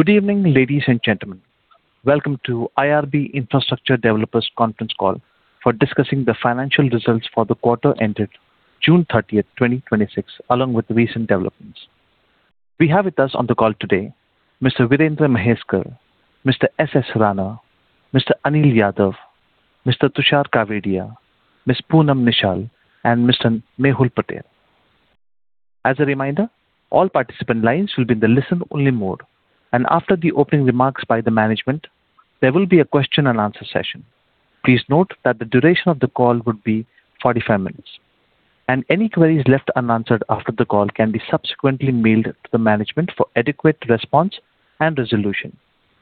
Good evening, ladies and gentlemen. Welcome to IRB Infrastructure Developers conference call for discussing the financial results for the quarter ended June 30th, 2026, along with recent developments. We have with us on the call today, Mr. Virendra Mhaiskar, Mr. S.S. Rana, Mr. Anil Yadav, Mr. Tushar Kawedia, Ms. Poonam Nishal, and Mr. Mehul Patel. As a reminder, all participant lines will be in the listen-only mode. After the opening remarks by the management, there will be a question-and-answer session. Please note that the duration of the call would be 45 minutes, and any queries left unanswered after the call can be subsequently mailed to the management for adequate response and resolution.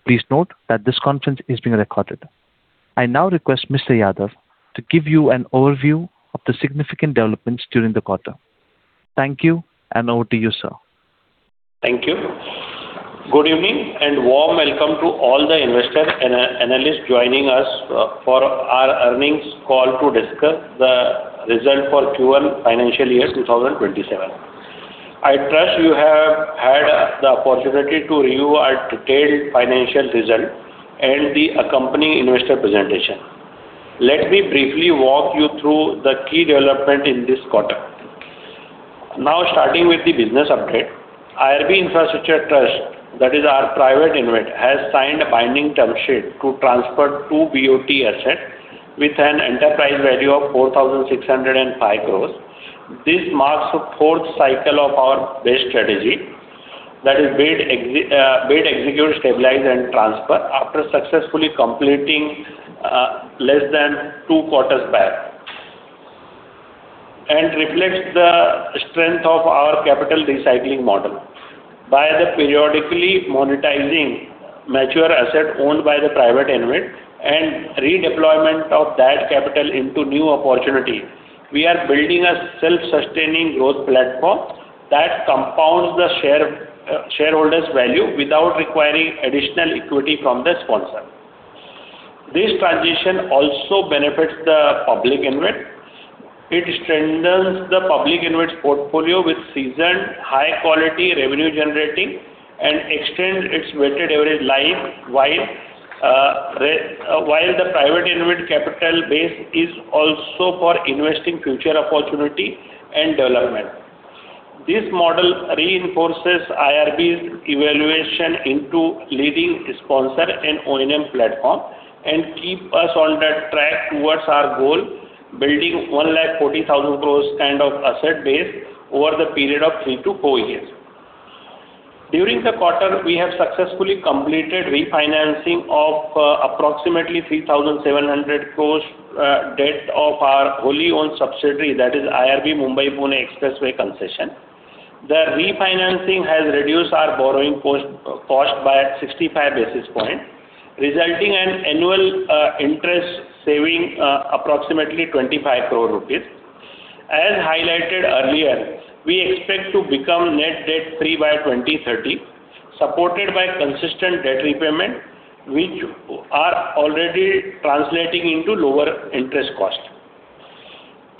Please note that this conference is being recorded. I now request Mr. Yadav to give you an overview of the significant developments during the quarter. Thank you, over to you, sir. Thank you. Good evening, warm welcome to all the investors and analysts joining us for our earnings call to discuss the result for Q1 financial year 2027. I trust you have had the opportunity to review our detailed financial result and the accompanying investor presentation. Let me briefly walk you through the key development in this quarter. Starting with the business update, IRB Infrastructure Trust, that is our private InvIT, has signed a binding term sheet to transfer two BOT assets with an enterprise value of 4,605 crore. This marks the fourth cycle of our base strategy. That is build, execute, stabilize, and transfer after successfully completing less than two quarters back. It reflects the strength of our capital recycling model. By periodically monetizing mature assets owned by the private InvIT and redeployment of that capital into new opportunity, we are building a self-sustaining growth platform that compounds the shareholders' value without requiring additional equity from the sponsor. This transition also benefits the public InvIT. It strengthens the public InvIT's portfolio with seasoned, high-quality, revenue-generating and extends its weighted average life, while the private InvIT capital base is also for investing future opportunity and development. This model reinforces IRB's evaluation into leading sponsor and O&M platform and keeps us on the track towards our goal, building 140,000 crore kind of asset base over the period of three to four years. During the quarter, we have successfully completed refinancing of approximately 3,700 crore debt of our wholly-owned subsidiary, that is IRB Mumbai-Pune Expressway [Private Limited]. The refinancing has reduced our borrowing cost by 65 basis points, resulting in annual interest saving approximately 25 crore rupees. As highlighted earlier, we expect to become net debt-free by 2030, supported by consistent debt repayment, which are already translating into lower interest cost.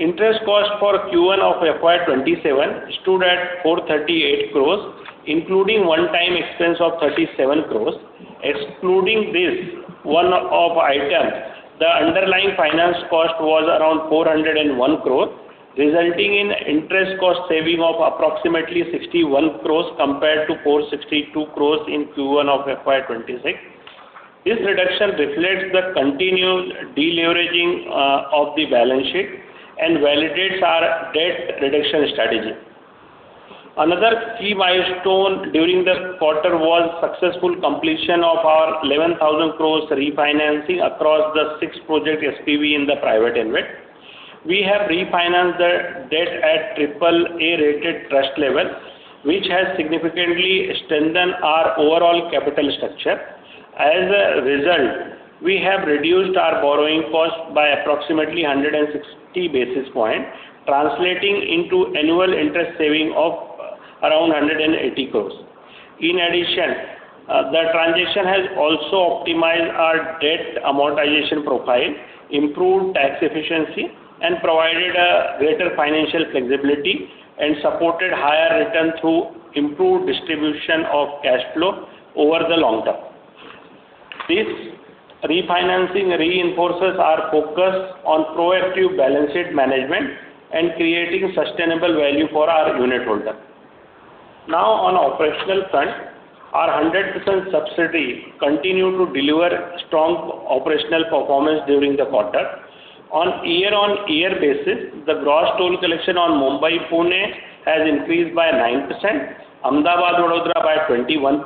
Interest cost for Q1 of FY 2027 stood at 438 crore, including one-time expense of 37 crore. Excluding this one-off item, the underlying finance cost was around 401 crore, resulting in interest cost saving of approximately 61 crore compared to 462 crore in Q1 of FY 2026. This reduction reflects the continued deleveraging of the balance sheet and validates our debt reduction strategy. Another key milestone during the quarter was successful completion of our 11,000 crore refinancing across the six project SPV in the private InvIT. We have refinanced the debt at AAA-rated trust level, which has significantly strengthened our overall capital structure. As a result, we have reduced our borrowing cost by approximately 160 basis points, translating into annual interest saving of around 180 crore. In addition, the transition has also optimized our debt amortization profile, improved tax efficiency, and provided a greater financial flexibility and supported higher return through improved distribution of cash flow over the long term. This refinancing reinforces our focus on proactive balance sheet management and creating sustainable value for our unitholder. On operational front, our 100% subsidiary continued to deliver strong operational performance during the quarter. On a year-on-year basis, the gross toll collection on Mumbai-Pune has increased by 9%, Ahmedabad-Vadodara by 21%,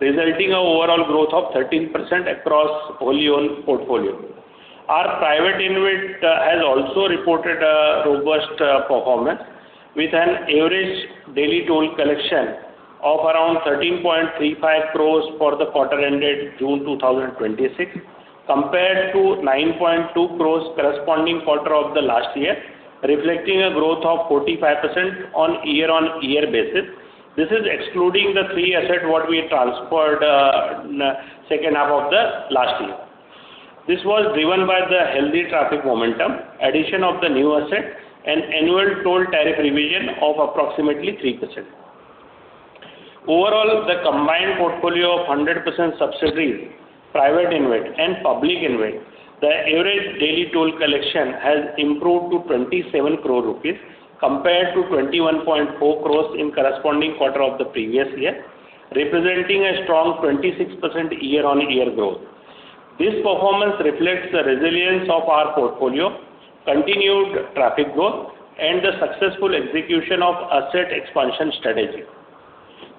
resulting in overall growth of 13% across wholly-owned portfolio. Our private InvIT has also reported a robust performance with an average daily toll collection of around 13.35 crore for the quarter ended June 2026, compared to 9.2 crore corresponding quarter of the last year, reflecting a growth of 45% on a year-on-year basis. This is excluding the three assets that we transferred second half of the last year. This was driven by the healthy traffic momentum, addition of the new asset, and annual toll tariff revision of approximately 3%. The combined portfolio of 100% subsidiaries, private InvIT and public InvIT, the average daily toll collection has improved to INR 27 crore compared to INR 21.4 crore in corresponding quarter of the previous year, representing a strong 26% year-on-year growth. This performance reflects the resilience of our portfolio, continued traffic growth, and the successful execution of asset expansion strategy.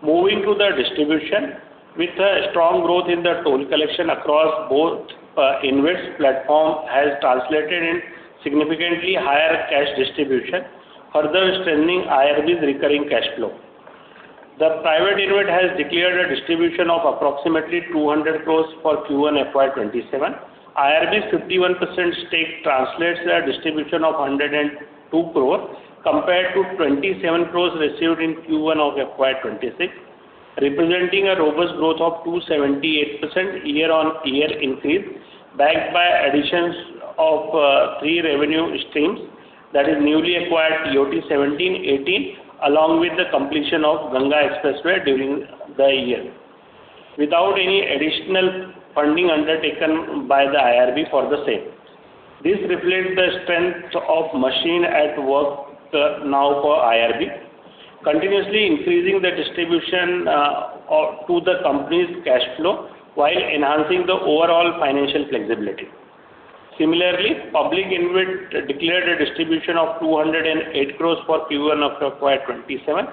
Moving to the distribution, with a strong growth in the toll collection across both InvIT's platform has translated in significantly higher cash distribution, further strengthening IRB's recurring cash flow. The private InvIT has declared a distribution of approximately 200 crore for Q1 FY 2027. IRB's 51% stake translates a distribution of 102 crore compared to 27 crore received in Q1 of FY 2026, representing a robust growth of 278% year-on-year increase, backed by additions of three revenue streams. Newly acquired BOT 17-18, along with the completion of Ganga Expressway during the year. Without any additional funding undertaken by the IRB for the same. This reflects the strength of machine at work now for IRB, continuously increasing the distribution to the company's cash flow while enhancing the overall financial flexibility. Public InvIT declared a distribution of 208 crore for Q1 of FY 2027.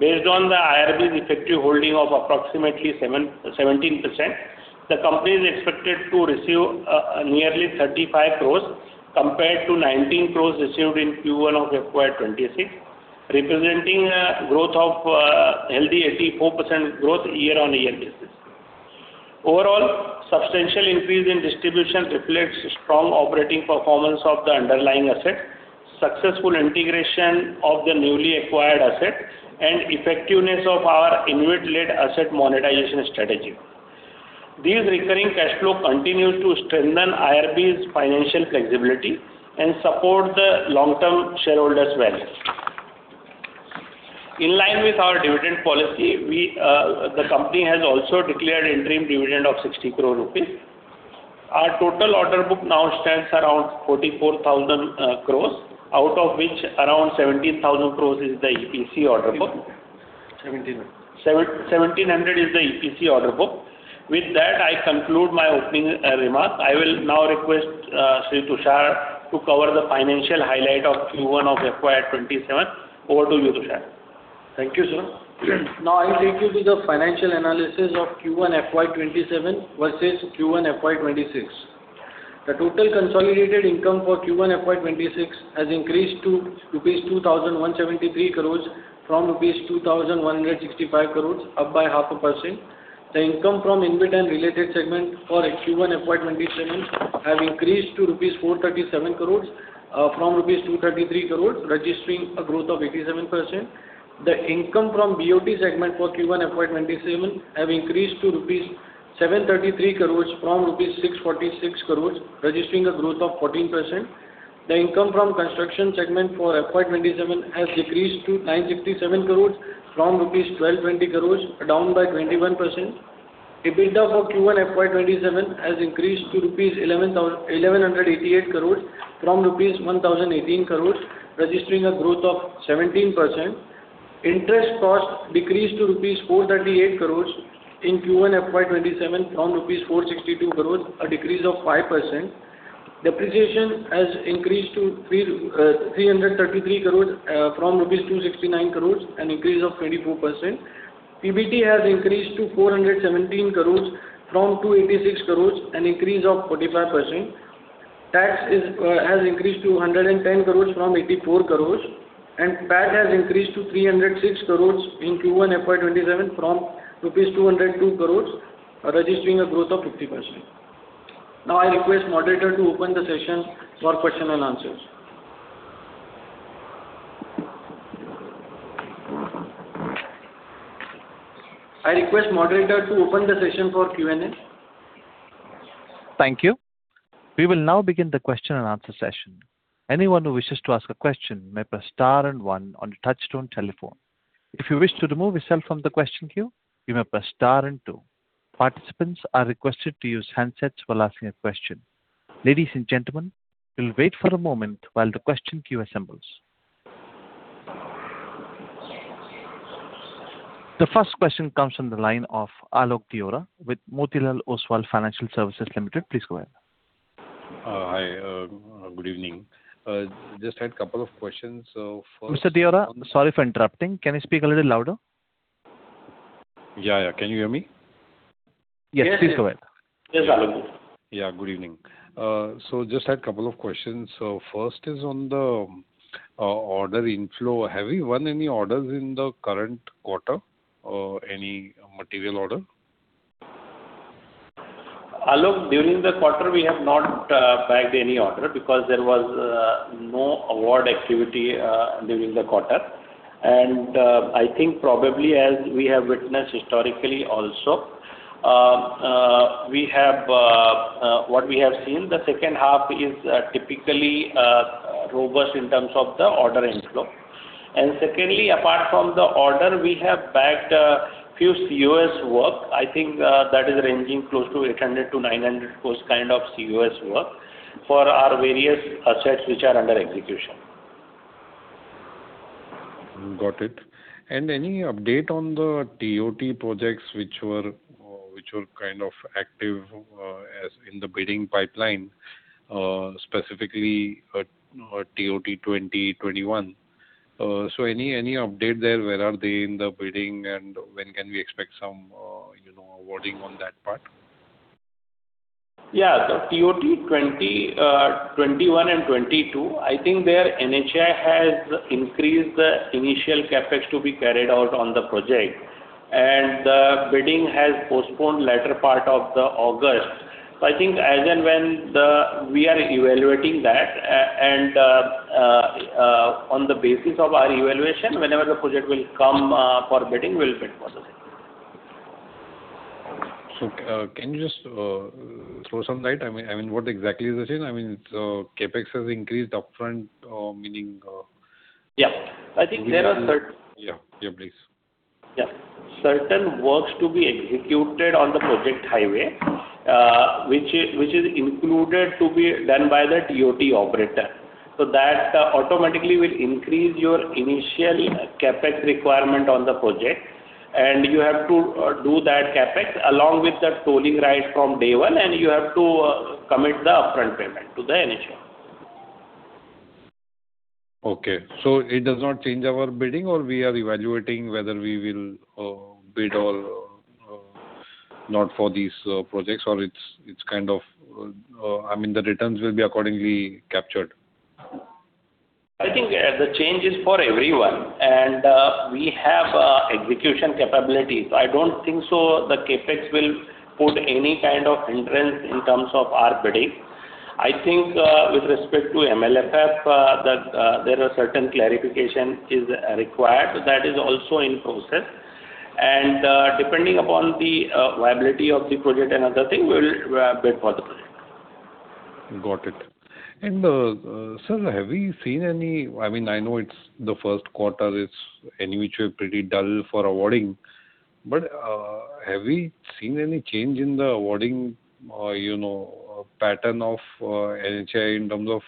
Based on the IRB's effective holding of approximately 17%, the company is expected to receive nearly 35 crore compared to 19 crore received in Q1 of FY 2026, representing a healthy 84% growth year-on-year basis. Substantial increase in distribution reflects strong operating performance of the underlying asset, successful integration of the newly acquired asset, and effectiveness of our InvIT-led asset monetization strategy. These recurring cash flow continues to strengthen IRB's financial flexibility and support the long-term shareholders value. In line with our dividend policy, the company has also declared interim dividend of 60 crore rupees. Our total order book now stands around 44,000 crore, out of which around 17,000 crore is the EPC order book. 1,700. 1,700 is the EPC order book. With that, I conclude my opening remarks. I will now request Sri Tushar to cover the financial highlight of Q1 of FY 2027. Over to you, Tushar. Thank you, sir. I take you to the financial analysis of Q1 FY 2027 versus Q1 FY 2026. The total consolidated income for Q1 FY 2026 has increased to rupees 2,173 crores from rupees 2,165 crores, up by 0.5%. The income from InvIT and related segment for Q1 FY 2027 have increased to rupees 437 crores from rupees 233 crores, registering a growth of 87%. The income from BOT segment for Q1 FY 2027 have increased to 733 crores rupees from 646 crores rupees, registering a growth of 14%. The income from construction segment for FY 2027 has decreased to 967 crores from rupees 1,220 crores, down by 21%. EBITDA for Q1 FY 2027 has increased to rupees 1,188 crores from rupees 1,018 crores, registering a growth of 17%. Interest cost decreased to rupees 438 crores in Q1 FY 2027 from rupees 462 crores, a decrease of 5%. Depreciation has increased to 333 crores from rupees 269 crores, an increase of 24%. PBT has increased to 417 crores from 286 crores, an increase of 45%. Tax has increased to 110 crores from 84 crores, PAT has increased to 306 crores in Q1 FY 2027 from rupees 202 crores, registering a growth of 50%. I request moderator to open the session for question and answers. I request moderator to open the session for Q&A. Thank you. We will begin the question-and-answer session. Anyone who wishes to ask a question may press star and one on your touchtone telephone. If you wish to remove yourself from the question queue, you may press star and two. Participants are requested to use handsets while asking a question. Ladies and gentlemen, we will wait for a moment while the question queue assembles. The first question comes from the line of Alok Deora with Motilal Oswal Financial Services Limited. Please go ahead. Hi, good evening. Just had couple of questions. Mr. Deora, sorry for interrupting. Can you speak a little louder? Yeah. Can you hear me? Yes, please go ahead. Yes, Alok. Yeah, good evening. Just had couple of questions. First is on the order inflow. Have you won any orders in the current quarter or any material order? Alok, during the quarter, we have not bagged any order because there was no award activity during the quarter. I think probably as we have witnessed historically also, what we have seen, the second half is typically robust in terms of the order inflow. Secondly, apart from the order, we have bagged a few CoS work. I think that is ranging close to 800 crores-900 crores kind of CoS work for our various assets which are under execution. Got it. Any update on the TOT projects which were kind of active in the bidding pipeline, specifically TOT 2021? Any update there? Where are they in the bidding, and when can we expect some awarding on that part? Yeah. The TOT 2021 and 2022, I think there NHAI has increased the initial CapEx to be carried out on the project, and the bidding has postponed latter part of August. I think as and when we are evaluating that, and on the basis of our evaluation, whenever the project will come for bidding, we'll bid for the same. Can you just throw some light? I mean, what exactly is the change? I mean, CapEx has increased upfront, meaning. Yeah. I think there are certain. Yeah. Please. Yeah. Certain works to be executed on the project highway, which is included to be done by the TOT operator. That automatically will increase your initial CapEx requirement on the project, and you have to do that CapEx along with the tolling right from day one, and you have to commit the upfront payment to the NHAI. Okay. It does not change our bidding or we are evaluating whether we will bid or not for these projects, the returns will be accordingly captured? I think the change is for everyone, we have execution capability. I don't think so the CapEx will put any kind of hindrance in terms of our bidding. I think with respect to MLFF, that there are certain clarification is required. That is also in process. Depending upon the viability of the project and other thing, we'll bid for the project. Got it. Sir, have we seen I know it's the first quarter, it's any which way pretty dull for awarding. Have we seen any change in the awarding pattern of NHAI in terms of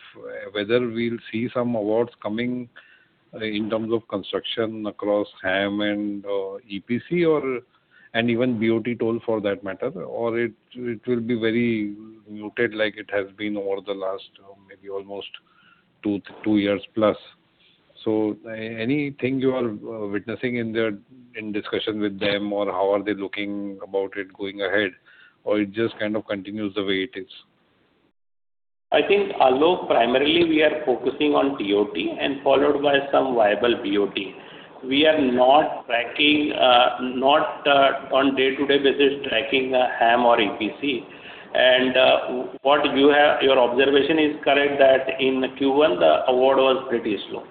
whether we'll see some awards coming in terms of construction across HAM and EPC, and even BOT toll, for that matter, or it will be very muted like it has been over the last, maybe almost two years plus. Anything you are witnessing in discussion with them or how are they looking about it going ahead, it just kind of continues the way it is? I think, Alok, primarily we are focusing on TOT and followed by some viable BOT. We are not on day-to-day basis tracking HAM or EPC. Your observation is correct that in Q1, the award was pretty slow.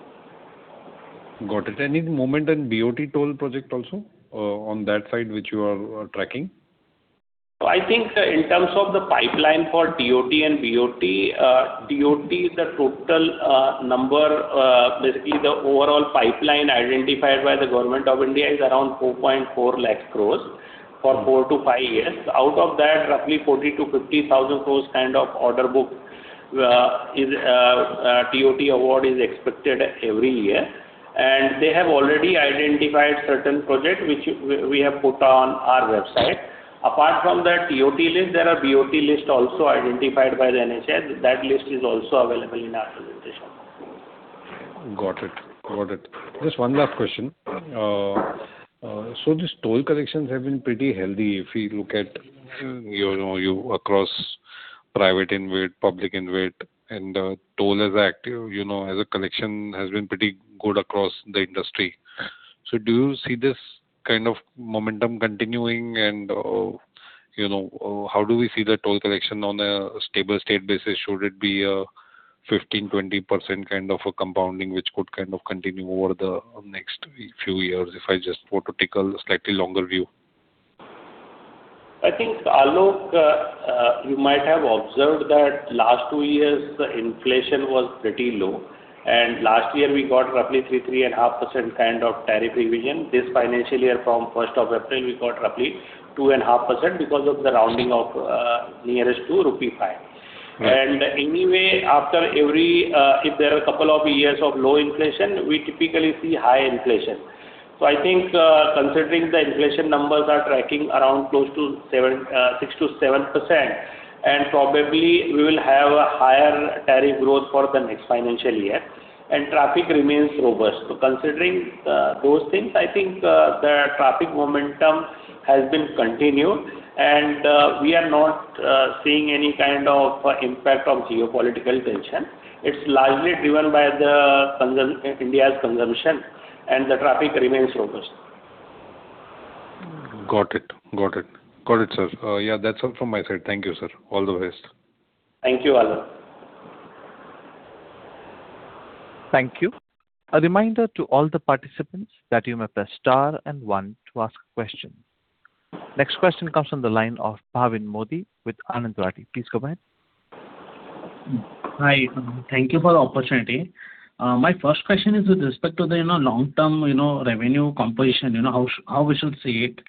Got it. Any momentum BOT toll project also on that side which you are tracking? I think in terms of the pipeline for TOT and BOT, TOT, the total number, basically the overall pipeline identified by the Government of India is around 4.4 lakh crore for four to five years. Out of that, roughly 40,000 crore-50,000 crore kind of order book TOT award is expected every year. They have already identified certain projects which we have put on our website. Apart from that TOT list, there are BOT lists also identified by the NHAI. That list is also available in our presentation. Got it. Just one last question. These toll collections have been pretty healthy. If we look at across private InvIT, public InvIT, and toll is active, as a collection has been pretty good across the industry. Do you see this kind of momentum continuing and how do we see the toll collection on a stable state basis? Should it be a 15%-20% kind of a compounding, which could kind of continue over the next few years, if I just were to take a slightly longer view? I think, Alok, you might have observed that last two years, the inflation was pretty low. Last year we got roughly 3.5% kind of tariff revision. This financial year from 1st of April, we got roughly 2.5% because of the rounding of nearest to rupee 5. Right. Anyway, if there are a couple of years of low inflation, we typically see high inflation. I think considering the inflation numbers are tracking around close to 6%-7%, probably we will have a higher tariff growth for the next financial year. Traffic remains robust. Considering those things, I think the traffic momentum has been continued, we are not seeing any kind of impact of geopolitical tension. It's largely driven by India's consumption, the traffic remains robust. Got it, sir. Yeah, that's all from my side. Thank you, sir. All the best. Thank you, Alok. Thank you. A reminder to all the participants that you may press star one to ask a question. Next question comes from the line of Bhavin Modi with Anand Rathi. Please go ahead. Hi. Thank you for the opportunity. My first question is with respect to the long-term revenue composition, how we should see it.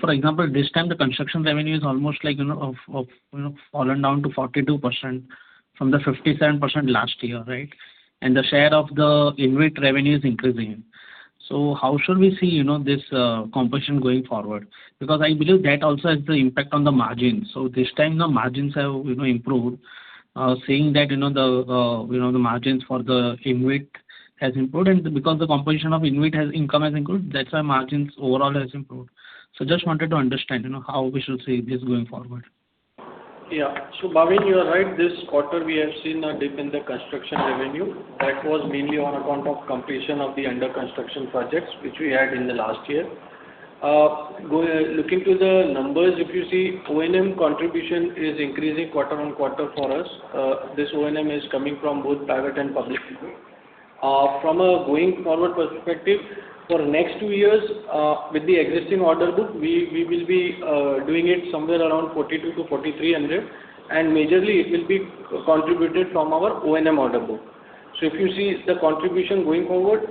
For example, this time the construction revenue is almost fallen down to 42% from the 57% last year, right? The share of the InvIT revenue is increasing. How should we see this composition going forward? Because I believe that also has the impact on the margin. This time the margins have improved, saying that the margins for the InvIT has improved. Because the composition of InvIT has income has improved, that is why margins overall has improved. Just wanted to understand how we should see this going forward. Bhavin, you are right. This quarter we have seen a dip in the construction revenue. That was mainly on account of completion of the under construction projects which we had in the last year. Looking to the numbers, if you see O&M contribution is increasing quarter-on-quarter for us. This O&M is coming from both private and public sector. From a going forward perspective, for next two years, with the existing order book, we will be doing it somewhere around 4,200-4,300. Majorly it will be contributed from our O&M order book. If you see the contribution going forward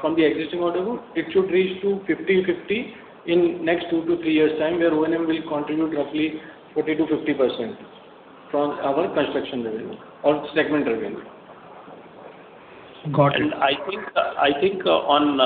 from the existing order book, it should reach to 50/50 in next two to three years' time where O&M will contribute roughly 40%-50% from our construction revenue or segment revenue. Got it. I think on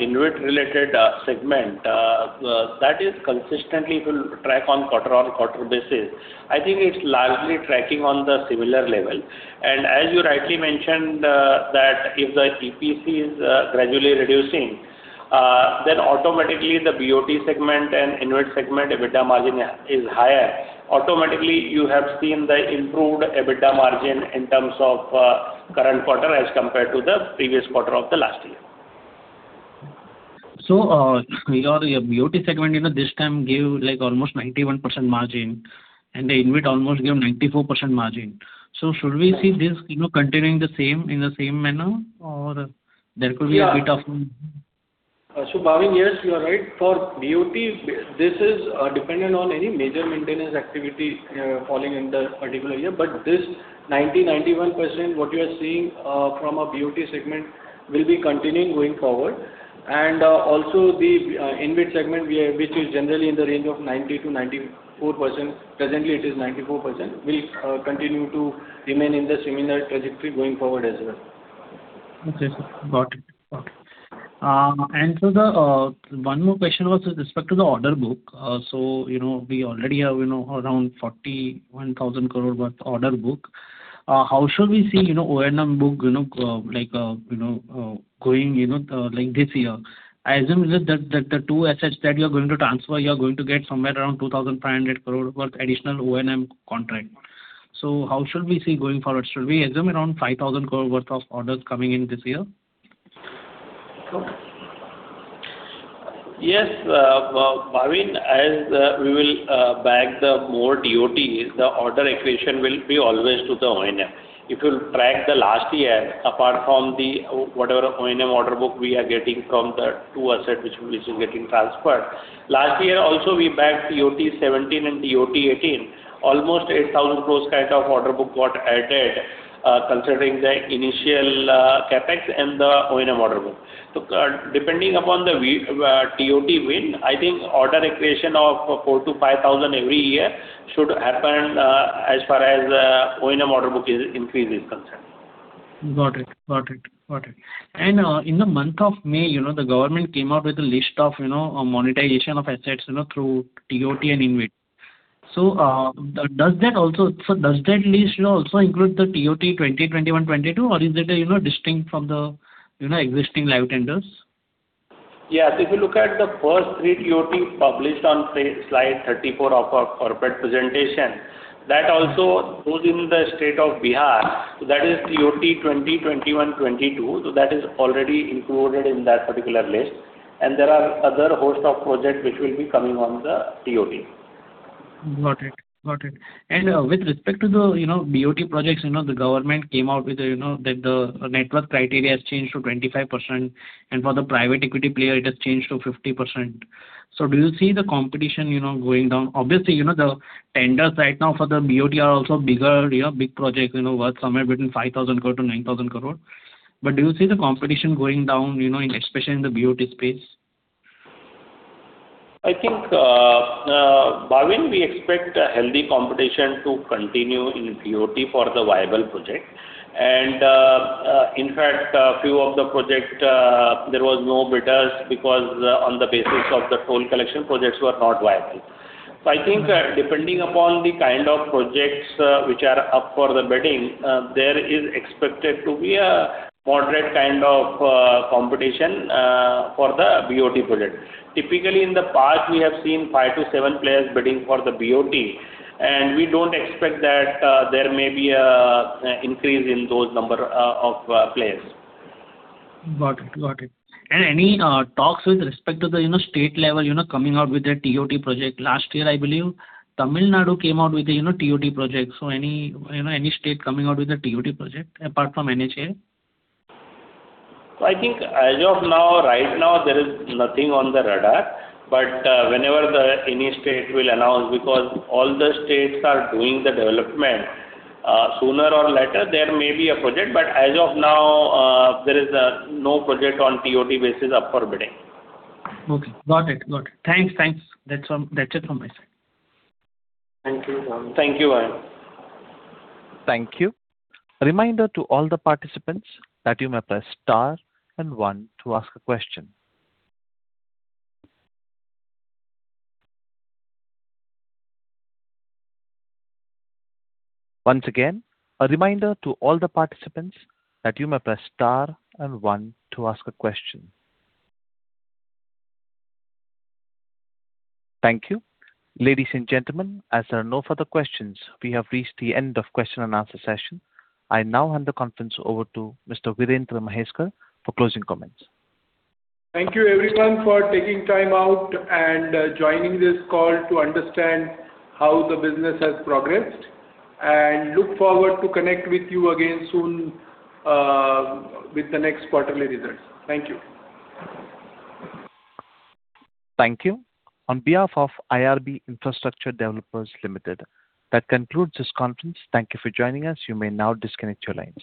InvIT related segment, that is consistently will track on quarter-on-quarter basis. I think it's largely tracking on the similar level. As you rightly mentioned that if the EPC is gradually reducing, then automatically the BOT segment and InvIT segment EBITDA margin is higher. You have seen the improved EBITDA margin in terms of current quarter as compared to the previous quarter of the last year. Your BOT segment this time give almost 91% margin and the InvIT almost give 94% margin. Should we see this continuing the same in the same manner? Bhavin, yes you are right. For BOT, this is dependent on any major maintenance activity falling in the particular year. This 90%, 91% what you are seeing from a BOT segment will be continuing going forward. Also the InvIT segment which is generally in the range of 90%-94%. Presently it is 94%, will continue to remain in the similar trajectory going forward as well. Okay, sir. Got it. One more question was with respect to the order book. We already have around 41,000 crore worth order book. How should we see O&M book going this year? I assume that the two assets that you are going to transfer, you are going to get somewhere around 2,500 crore worth additional O&M contract. How should we see going forward? Should we assume around 5,000 crore worth of orders coming in this year? Yes, Bhavin, as we will bag the more TOTs, the order accretion will be always to the O&M. If you'll track the last year apart from the whatever O&M order book we are getting from the two asset which is getting transferred. Last year also we bagged TOT 17 and TOT 18. Almost 8,000 crore kind of order book got added, considering the initial CapEx and the O&M order book. Depending upon the TOT win, I think order accretion of 4,000-5,000 every year should happen as far as O&M order book increase is concerned. Got it. In the month of May, the government came out with a list of monetization of assets through TOT and InvIT. Does that list also include the TOT 2021-2022 or is it distinct from the existing live tenders? Yeah. If you look at the first three TOT published on slide 34 of our corporate presentation, that also goes in the state of Bihar. That is TOT 2021-2022. That is already included in that particular list. There are other host of project which will be coming on the TOT. Got it. With respect to the BOT projects, the government came out with that the net worth criteria has changed to 25%, and for the private equity player it has changed to 50%. Do you see the competition going down? Obviously, the tenders right now for the BOT are also bigger, big project worth somewhere between 5,000 crore-9,000 crore. Do you see the competition going down, especially in the BOT space? I think, Bhavin, we expect a healthy competition to continue in TOT for the viable project. In fact, few of the project, there was no bidders because on the basis of the toll collection projects were not viable. I think depending upon the kind of projects which are up for the bidding, there is expected to be a moderate kind of competition for the BOT project. Typically in the past we have seen five to seven players bidding for the BOT and we don't expect that there may be increase in those number of players. Got it. Any talks with respect to the state level coming out with a TOT project? Last year I believe Tamil Nadu came out with a TOT project. Any state coming out with a TOT project apart from NHAI? I think as of now, right now there is nothing on the radar whenever any state will announce because all the states are doing the development, sooner or later there may be a project as of now there is no project on TOT basis up for bidding. Okay, got it. Thanks. That's it from my side. Thank you, Bhavin. Thank you. A reminder to all the participants that you may press star and one to ask a question. Once again, a reminder to all the participants that you may press star and one to ask a question. Thank you. Ladies and gentlemen, as there are no further questions, we have reached the end of question-and-answer session. I now hand the conference over to Mr. Virendra Mhaiskar for closing comments. Thank you everyone for taking time out and joining this call to understand how the business has progressed and look forward to connect with you again soon with the next quarterly results. Thank you. Thank you. On behalf of IRB Infrastructure Developers Limited, that concludes this conference. Thank you for joining us. You may now disconnect your lines.